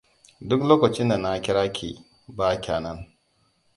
Duk lokacin da na kira ki, ba kya nan.